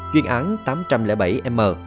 chuyên án tám trăm linh bảy m